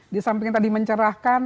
di samping tadi mencerahkan